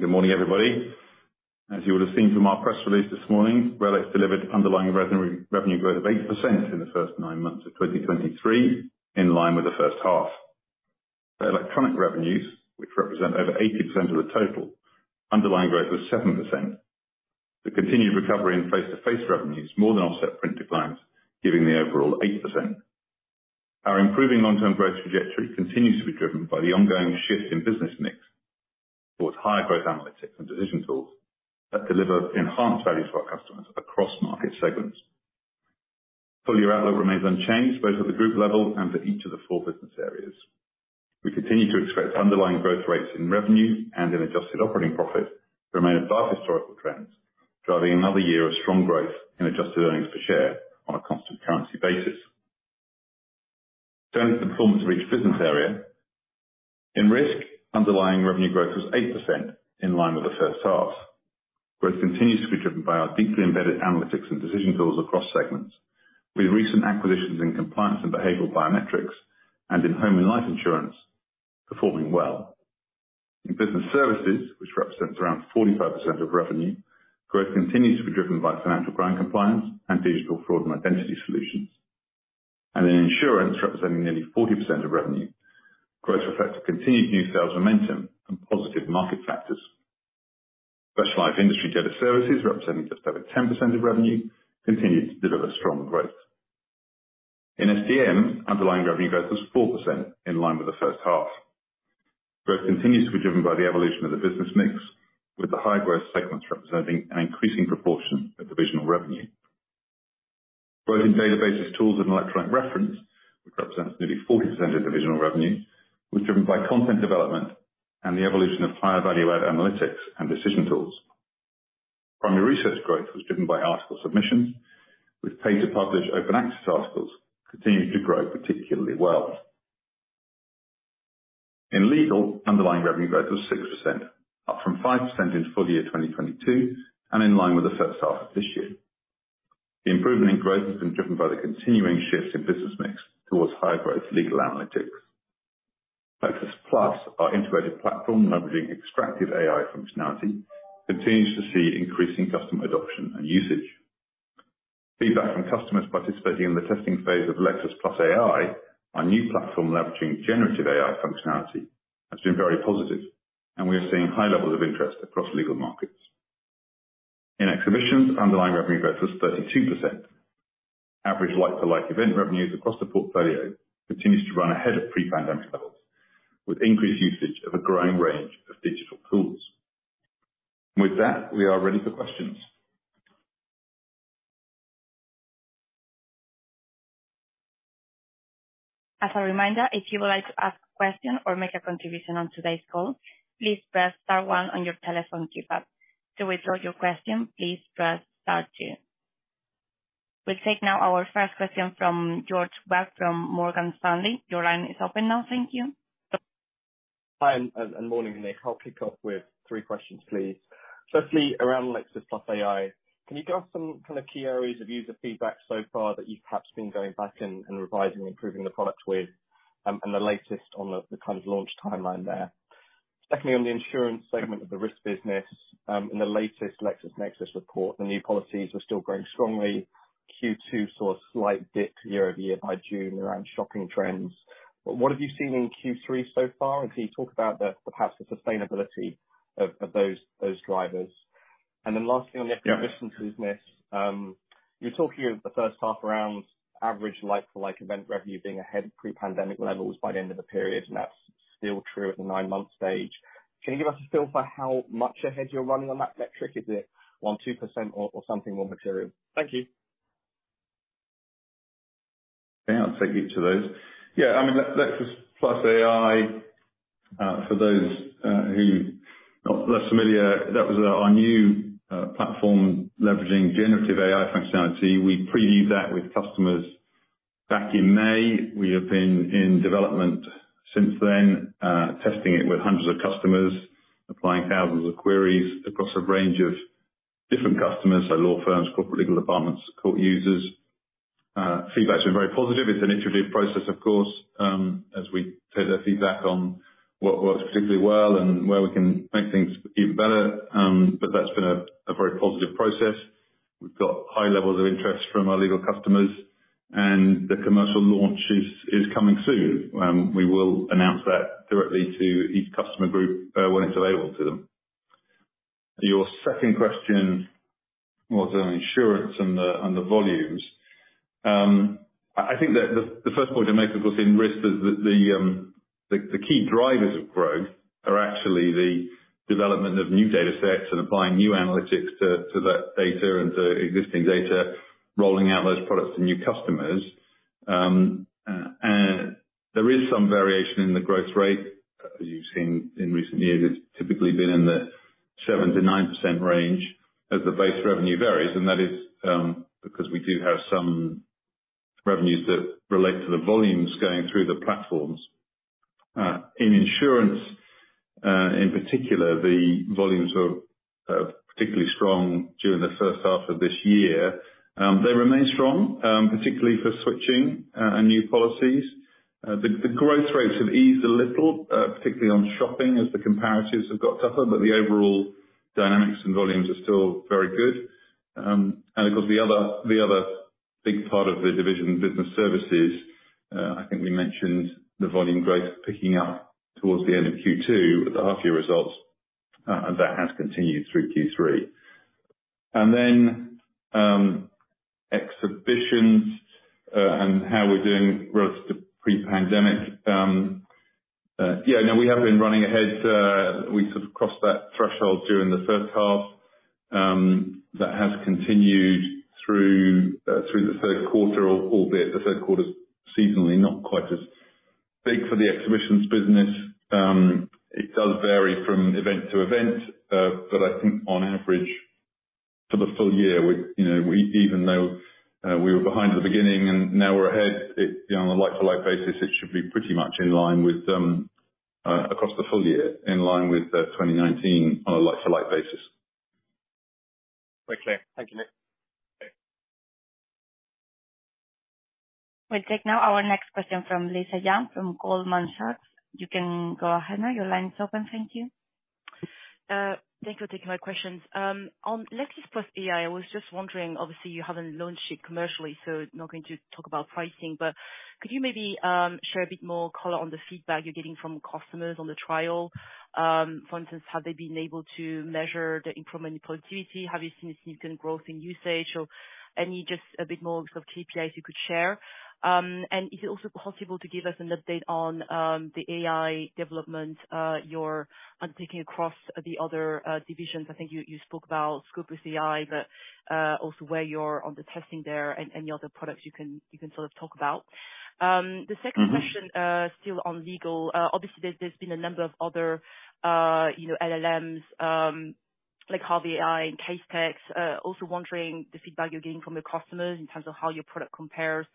Good morning, everybody. As you would have seen from our press release this morning, RELX delivered underlying revenue growth of 8% in the first nine months of 2023, in line with the first half. The electronic revenues, which represent over 80% of the total, underlying growth was 7%. The continued recovery in face-to-face revenues more than offset print declines, giving the overall 8%. Our improving long-term growth trajectory continues to be driven by the ongoing shift in business mix towards higher growth analytics and decision tools that deliver enhanced value for our customers across market segments. Full year outlook remains unchanged, both at the group level and for each of the four business areas. We continue to expect underlying growth rates in revenue and in adjusted operating profit to remain above historical trends, driving another year of strong growth in adjusted earnings per share on a constant currency basis. Turning to the performance of each business area. In Risk, underlying revenue growth was 8%, in line with the first half. Growth continues to be driven by our deeply embedded analytics and decision tools across segments, with recent acquisitions in compliance and behavioral biometrics and in home and life insurance performing well. In Business Services, which represents around 45% of revenue, growth continues to be driven by financial crime compliance and digital fraud and identity solutions. And in Insurance, representing nearly 40% of revenue, growth reflects continued new sales momentum and positive market factors. Specialized Industry Data Services, representing just over 10% of revenue, continued to deliver strong growth. In STM, underlying revenue growth was 4%, in line with the first half. Growth continues to be driven by the evolution of the business mix, with the high growth segments representing an increasing proportion of divisional revenue. Growth in databases, tools, and electronic reference, which represents nearly 40% of divisional revenue, was driven by content development and the evolution of higher value-added analytics and decision tools. Primary research growth was driven by article submissions, with pay-to-publish open access articles continuing to grow particularly well. In Legal, underlying revenue growth was 6%, up from 5% in full year 2022, and in line with the first half of this year. The improvement in growth has been driven by the continuing shifts in business mix towards higher growth legal analytics. Lexis+, our integrated platform leveraging extractive AI functionality, continues to see increasing customer adoption and usage. Feedback from customers participating in the testing phase of Lexis+ AI, our new platform leveraging generative AI functionality, has been very positive, and we are seeing high levels of interest across legal markets. In Exhibitions, underlying revenue growth was 32%. Average like-for-like event revenues across the portfolio continues to run ahead of pre-pandemic levels, with increased usage of a growing range of digital tools. With that, we are ready for questions. As a reminder, if you would like to ask a question or make a contribution on today's call, please press star one on your telephone keypad. To withdraw your question, please press star two. We'll take now our first question from George Webb from Morgan Stanley. Your line is open now. Thank you. Good morning, Nick. I'll kick off with three questions, please. Firstly, around Lexis+ AI, can you give us some kind of key areas of user feedback so far that you've perhaps been going back and revising and improving the product with, and the latest on the kind of launch timeline there? Secondly, on the insurance segment of the risk business, in the latest LexisNexis report, the new policies are still growing strongly. Q2 saw a slight dip year-over-year by June around shopping trends. But what have you seen in Q3 so far? And can you talk about perhaps the sustainability of those drivers? And then lastly, on the exhibitions business, you were talking in the first half around average like-for-like event revenue being ahead of pre-pandemic levels by the end of the period, and that's still true at the nine-month stage. Can you give us a feel for how much ahead you're running on that metric? Is it 1%-2% or something more material? Thank you. Yeah, I'll take each of those. Yeah, I mean, Lexis+ AI, for those who are less familiar, that was our new platform leveraging generative AI functionality. We previewed that with customers back in May. We have been in development since then, testing it with hundreds of customers, applying thousands of queries across a range of different customers, so law firms, corporate legal departments, court users. Feedback's been very positive. It's an iterative process, of course, as we take their feedback on what works particularly well and where we can make things even better. But that's been a very positive process. We've got high levels of interest from our legal customers, and the commercial launch is coming soon. We will announce that directly to each customer group, when it's available to them. Your second question was on insurance and the volumes. I think that the first point to make, of course, in risk is the key drivers of growth are actually the development of new data sets and applying new analytics to that data and to existing data, rolling out those products to new customers. And there is some variation in the growth rate. As you've seen in recent years, it's typically been in the 7%-9% range, as the base revenue varies, and that is because we do have some revenues that relate to the volumes going through the platforms. In insurance, in particular, the volumes are particularly strong during the first half of this year. They remain strong, particularly for switching and new policies.... The growth rates have eased a little, particularly on shopping, as the comparatives have got tougher, but the overall dynamics and volumes are still very good. And of course, the other big part of the division, business services, I think we mentioned the volume growth picking up towards the end of Q2 with the half year results, and that has continued through Q3. And then, exhibitions, and how we're doing relative to pre-pandemic. Yeah, no, we have been running ahead. We sort of crossed that threshold during the first half. That has continued through the third quarter, albeit the third quarter is seasonally not quite as big for the exhibitions business. It does vary from event to event, but I think on average, for the full year, we, you know, even though we were behind at the beginning and now we're ahead, it, you know, on a like-to-like basis, it should be pretty much in line with, across the full year, in line with, 2019 on a like-to-like basis. Quite clear. Thank you, Nick. We'll take now our next question from Lisa Yang, from Goldman Sachs. You can go ahead now. Your line is open. Thank you. Thank you for taking my questions. On Lexis+ AI, I was just wondering, obviously, you haven't launched it commercially, so not going to talk about pricing, but could you maybe share a bit more color on the feedback you're getting from customers on the trial? For instance, have they been able to measure the improvement in productivity? Have you seen significant growth in usage or any, just a bit more sort of KPIs you could share? And is it also possible to give us an update on the AI development you're undertaking across the other divisions? I think you spoke about Scopus AI, but also where you're on the testing there and any other products you can sort of talk about. The second question- Mm-hmm. Still on legal. Obviously, there's, there's been a number of other, you know, LLMs, like Harvey AI and Casetext. Also wondering the feedback you're getting from your customers in terms of how your product compares,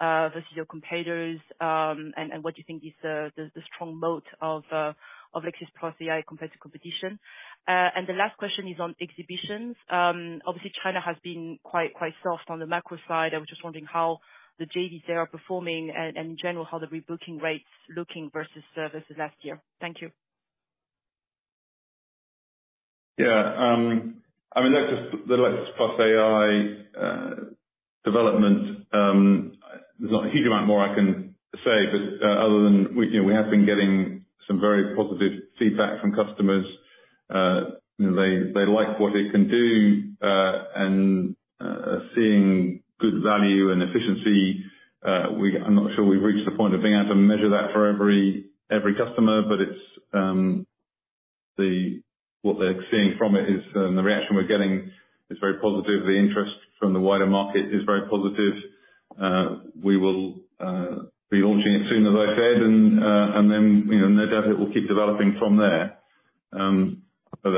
versus your competitors. And, and what you think is the, the, the strong moat of, of Lexis+ AI compared to competition. And the last question is on exhibitions. Obviously, China has been quite, quite soft on the macro side. I was just wondering how the JVs there are performing, and, and in general, how the rebooking rates looking versus services last year. Thank you. Yeah, I mean, Lexis, the Lexis+ AI development, there's not a huge amount more I can say, but other than we, you know, we have been getting some very positive feedback from customers. You know, they like what it can do, and seeing good value and efficiency. I'm not sure we've reached the point of being able to measure that for every customer, but it's the... What they're seeing from it is the reaction we're getting is very positive. The interest from the wider market is very positive. We will be launching it soon, as I said, and then, you know, no doubt it will keep developing from there. So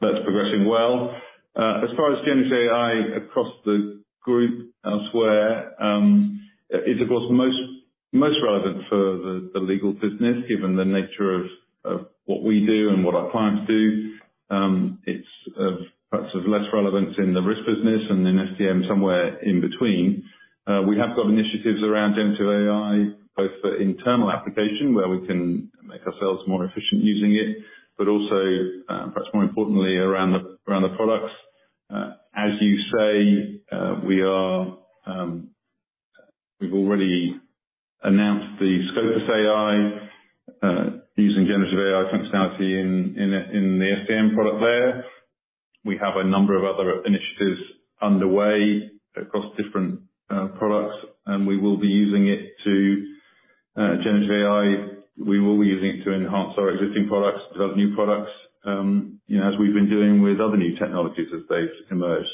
that's progressing well. As far as Gen AI across the group elsewhere, it's of course, most, most relevant for the, the legal business, given the nature of, of what we do and what our clients do. It's of perhaps of less relevance in the risk business and in STM, somewhere in between. We have got initiatives around Gen -2 AI, both for internal application, where we can make ourselves more efficient using it, but also, perhaps more importantly, around the, around the products. As you say, we are, we've already announced the Scopus AI, using generative AI functionality in, in the, in the STM product there. We have a number of other initiatives underway across different products, and we will be using it to generative AI, we will be using it to enhance our existing products, develop new products, you know, as we've been doing with other new technologies as they've emerged.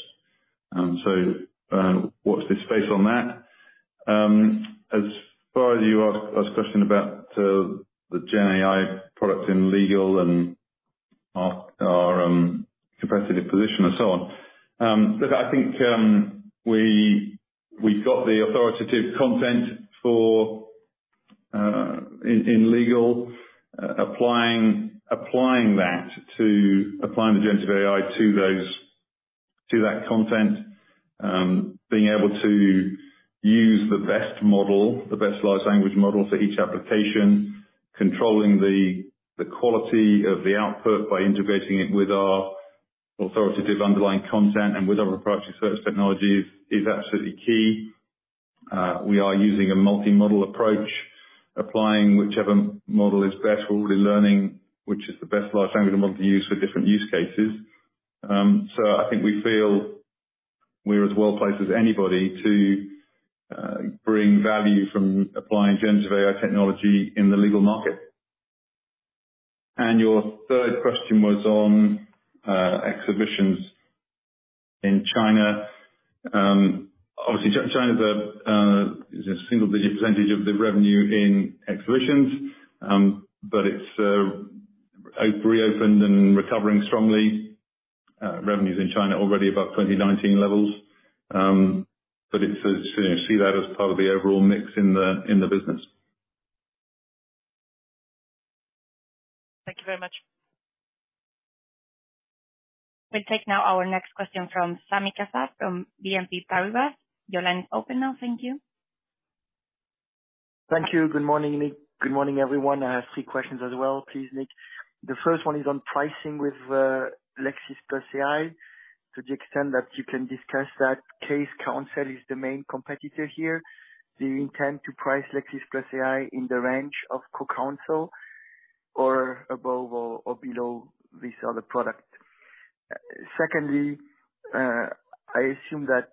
So, watch this space on that. As far as you asked a question about the gen AI product in legal and our competitive position and so on, look, I think we've got the authoritative content for in legal. Applying the generative AI to those, to that content, being able to use the best model, the best large language model for each application, controlling the quality of the output by integrating it with our authoritative underlying content and with our approach to search technologies, is absolutely key. We are using a multi-model approach, applying whichever model is best. We'll be learning which is the best large language model to use for different use cases. So I think we feel we're as well placed as anybody to bring value from applying generative AI technology in the legal market. And your third question was on exhibitions in China. Obviously, China's a single-digit percentage of the revenue in exhibitions, but it's reopened and recovering strongly. Revenues in China already above 2019 levels, but it's, you know, see that as part of the overall mix in the, in the business.... Thank you very much. We'll take now our next question from Sami Kassab, from BNP Paribas. Your line is open now. Thank you. Thank you. Good morning, Nick. Good morning, everyone. I have three questions as well, please, Nick. The first one is on pricing with Lexis+ AI, to the extent that you can discuss that. CoCounsel is the main competitor here. Do you intend to price Lexis+ AI in the range of CoCounsel or above or below this other product? Secondly, I assume that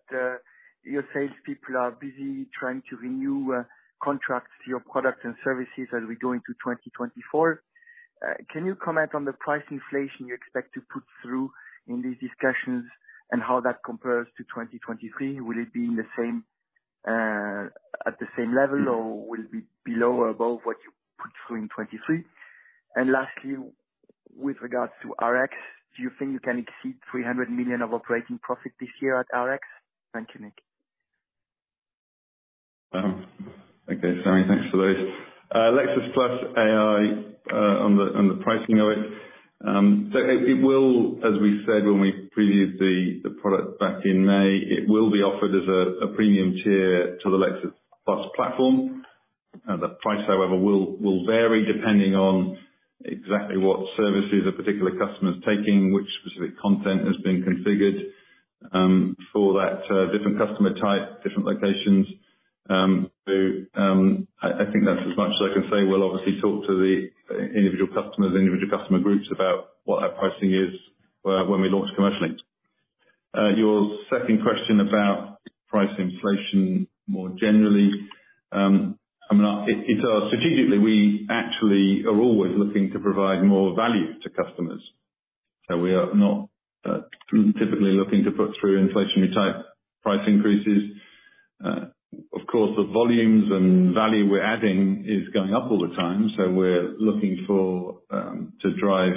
your salespeople are busy trying to renew contracts to your products and services as we go into 2024. Can you comment on the price inflation you expect to put through in these discussions, and how that compares to 2023? Will it be in the same at the same level, or will it be below or above what you put through in 2023? Lastly, with regards to RX, do you think you can exceed 300 million of operating profit this year at RX? Thank you, Nick. Okay, Sammy, thanks for those. Lexis+ AI, on the pricing of it. So it will, as we said when we previewed the product back in May, it will be offered as a premium tier to the Lexis+ platform. The price, however, will vary depending on exactly what services a particular customer is taking, which specific content has been configured, for that different customer type, different locations. So, I think that's as much as I can say. We'll obviously talk to the individual customers, individual customer groups, about what that pricing is, when we launch commercially. Your second question about price inflation more generally, I mean, it... Strategically, we actually are always looking to provide more value to customers. So we are not typically looking to put through inflationary type price increases. Of course, the volumes and value we're adding is going up all the time, so we're looking for to drive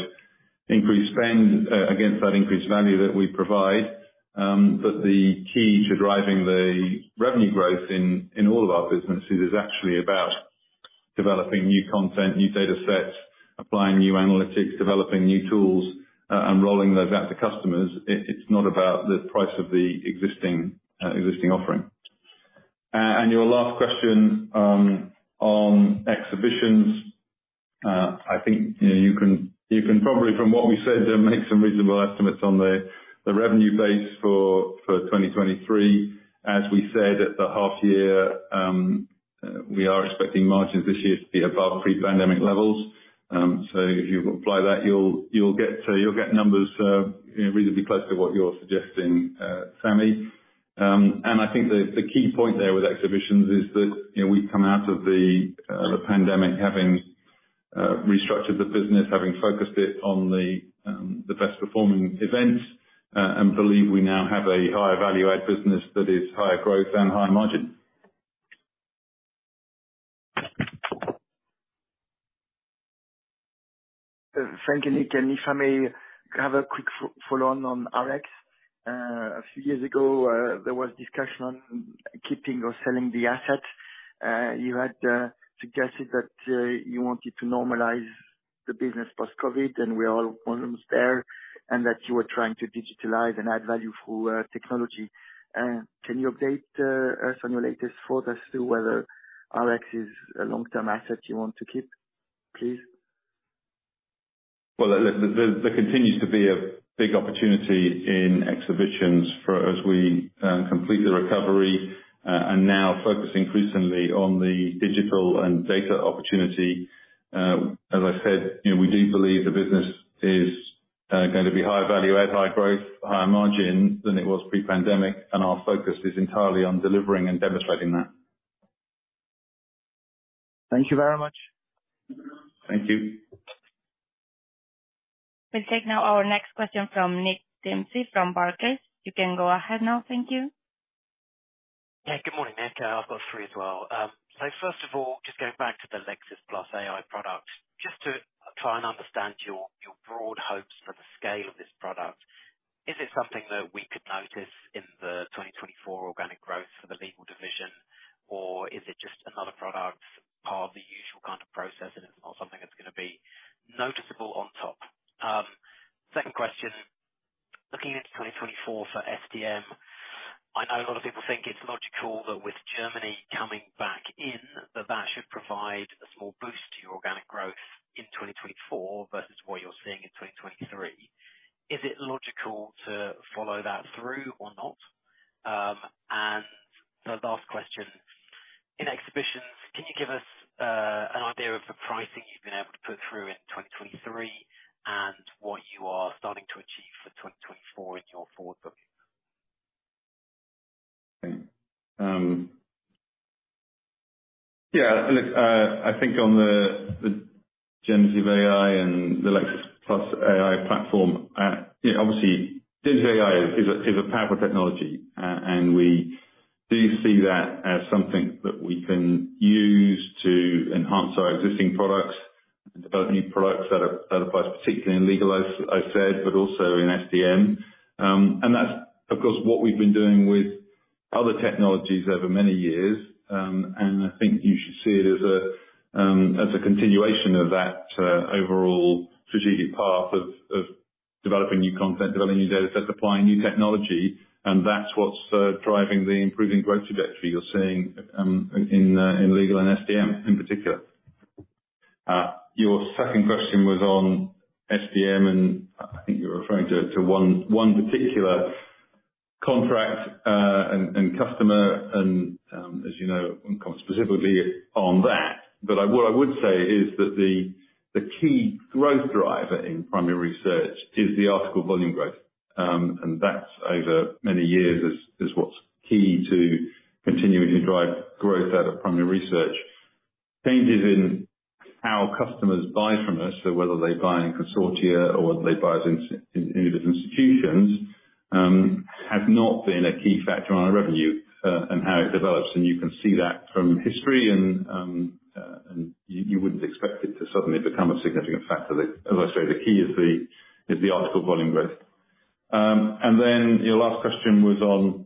increased spend against that increased value that we provide. But the key to driving the revenue growth in all of our businesses is actually about developing new content, new data sets, applying new analytics, developing new tools and rolling those out to customers. It's not about the price of the existing existing offering. And your last question on exhibitions, I think, you know, you can, you can probably, from what we said, make some reasonable estimates on the the revenue base for 2023. As we said, at the half year, we are expecting margins this year to be above pre-pandemic levels. So if you apply that, you'll get numbers, you know, reasonably close to what you're suggesting, Sammy. And I think the key point there with exhibitions is that, you know, we've come out of the pandemic having restructured the business, having focused it on the best performing events, and believe we now have a higher value add business that is higher growth and higher margin. Thank you, Nick, and if I may have a quick follow-on on RX. A few years ago, there was discussion on keeping or selling the asset. You had suggested that you wanted to normalize the business post-COVID, and we're almost there, and that you were trying to digitalize and add value through technology. Can you update us on your latest thoughts as to whether RX is a long-term asset you want to keep, please? Well, there continues to be a big opportunity in exhibitions for... as we complete the recovery, and now focus increasingly on the digital and data opportunity. As I said, you know, we do believe the business is going to be higher value add, higher growth, higher margin than it was pre-pandemic, and our focus is entirely on delivering and demonstrating that. Thank you very much. Thank you. We'll take now our next question from Nick Dempsey, from Barclays. You can go ahead now. Thank you. Yeah, good morning, Nick. I've got three as well. So first of all, just going back to the Lexis+ AI product, just to try and understand your, your broad hopes for the scale of this product, is it something that we could notice in the 2024 organic growth for the legal division? Or is it just another product, part of the usual kind of process, and it's not something that's gonna be noticeable on top? Second question, looking at 2024 for STM, I know a lot of people think it's logical that with Germany coming back in, that that should provide a small boost to your organic growth in 2024, versus what you're seeing in 2023. Is it logical to follow that through or not? The last question, in exhibitions, can you give us an idea of the pricing you've been able to put through in 2023, and what you are starting to achieve for 2024 in your forward booking? Yeah, look, I think on the generative AI and the Lexis+ AI platform, you know, obviously, generative AI is a powerful technology. And we do see that as something that we can use to enhance our existing products, and develop new products that apply particularly in legal, as I said, but also in STM. And that's, of course, what we've been doing with other technologies over many years. And I think you should see it as a continuation of that overall strategic path of developing new content, developing new datasets, applying new technology, and that's what's driving the improving growth trajectory you're seeing in legal and STM in particular. Your second question was on STM, and I think you're referring to one particular contract and customer, and, as you know, I won't comment specifically on that. But what I would say is that the key growth driver in primary research is the article volume growth. And that's over many years, is what's key to continually drive growth out of primary research. Changes in how customers buy from us, so whether they buy in consortia or they buy as in individual institutions, has not been a key factor on our revenue and how it develops. And you can see that from history, and you wouldn't expect it to suddenly become a significant factor. As I say, the key is the article volume growth. And then your last question was on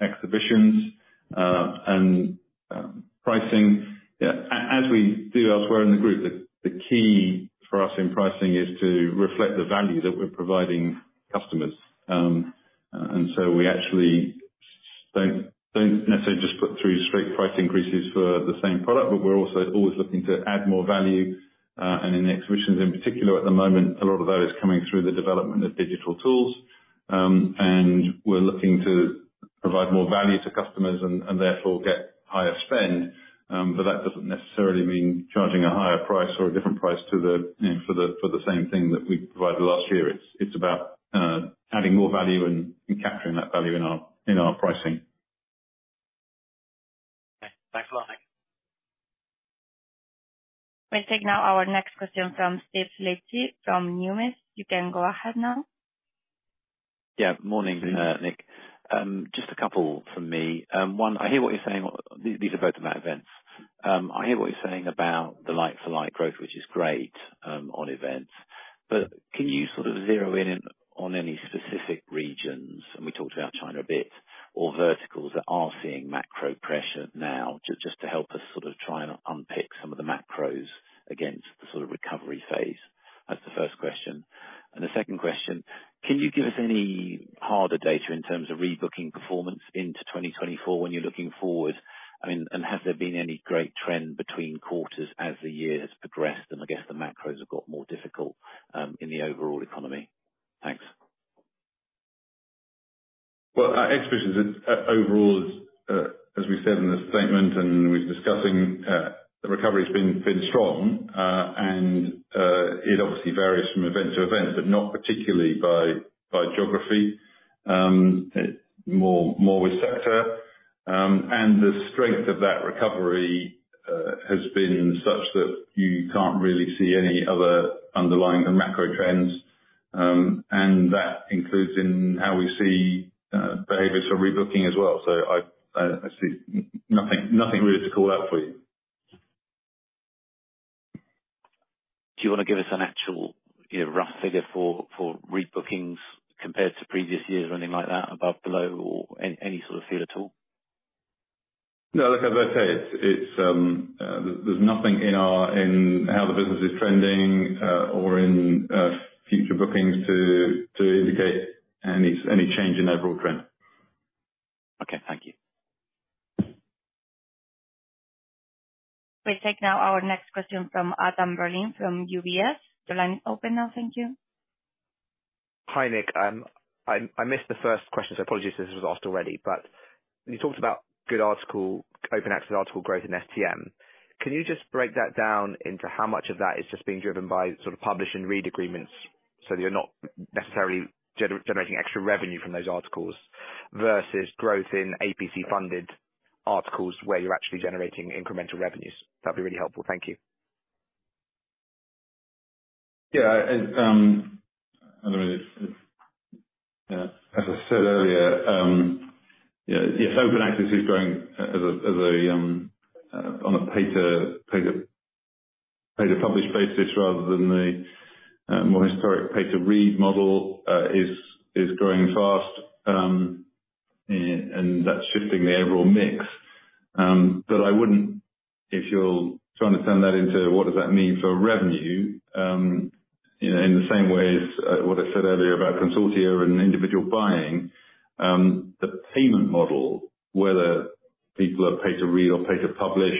exhibitions and pricing. Yeah, as we do elsewhere in the group, the key for us in pricing is to reflect the value that we're providing customers. And so we actually don't necessarily just put through straight price increases for the same product, but we're also always looking to add more value. In the exhibitions in particular, at the moment, a lot of that is coming through the development of digital tools. We're looking to provide more value to customers and therefore get higher spend. But that doesn't necessarily mean charging a higher price or a different price to the, you know, for the same thing that we provided last year. It's about adding more value and capturing that value in our pricing. Okay, thanks a lot. We'll take now our next question from Steve Liechti from Numis. You can go ahead now. Yeah. Morning, Nick. Just a couple from me. One, I hear what you're saying... These, these are both about events. I hear what you're saying about the like-for-like growth, which is great, on events. But can you sort of zero in on any specific regions, and we talked about China a bit, or verticals that are seeing macro pressure now, just, just to help us sort of try and unpick some of the macros against the sort of recovery phase? That's the first question. And the second question: Can you give us any harder data in terms of rebooking performance into 2024 when you're looking forward? I mean, and has there been any great trend between quarters as the year has progressed, and I guess the macros have got more difficult, in the overall economy? Thanks. Well, our exhibitions overall, as we said in the statement, and we've been discussing, the recovery's been strong. And it obviously varies from event to event, but not particularly by geography, more with sector. And the strength of that recovery has been such that you can't really see any other underlying macro trends, and that includes in how we see behaviors for rebooking as well. So I see nothing really to call out for you. Do you want to give us an actual, you know, rough figure for, for rebookings compared to previous years, or anything like that, above, below, or any, any sort of feel at all? No, like, as I say, it's, there's nothing in our, in how the business is trending, or in future bookings, to indicate any change in overall trend. Okay, thank you. We take now our next question from Adam Berlin, from UBS. The line is open now. Thank you. Hi, Nick. I missed the first question, so apologies if this was asked already. But you talked about good article, open access article growth in STM. Can you just break that down into how much of that is just being driven by sort of publish-and-read agreements, so you're not necessarily generating extra revenue from those articles, versus growth in APC-funded articles, where you're actually generating incremental revenues? That'd be really helpful. Thank you. Yeah, I mean, it's... As I said earlier, yeah, yes, Open access is growing as a pay-to-publish basis rather than the more historic pay-to-read model is growing fast. And that's shifting the overall mix. But I wouldn't, if you're trying to turn that into what does that mean for revenue, you know, in the same way as what I said earlier about consortia and individual buying, the payment model, whether people are pay-to-read or pay-to-publish,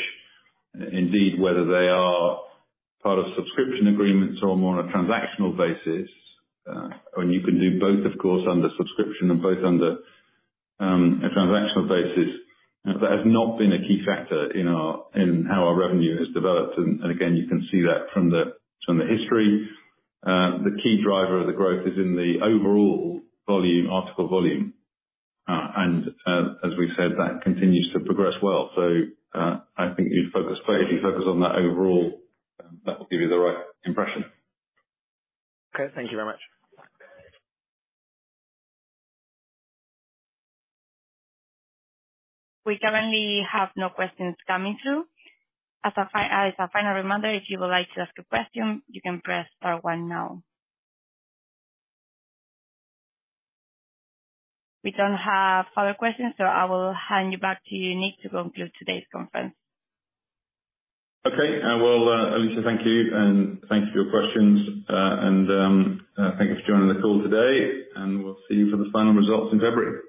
indeed, whether they are part of subscription agreements or more on a transactional basis, and you can do both, of course, under subscription and both under a transactional basis, that has not been a key factor in our in how our revenue has developed. And again, you can see that from the history. The key driver of the growth is in the overall volume, article volume. And as we said, that continues to progress well. So, I think you'd focus, if you focus on that overall, that will give you the right impression. Okay. Thank you very much. We currently have no questions coming through. As a final reminder, if you would like to ask a question, you can press star one now. We don't have further questions, so I will hand you back to you, Nick, to conclude today's conference. Okay. Well, Alicia, thank you, and thanks for your questions. Thank you for joining the call today, and we'll see you for the final results in February.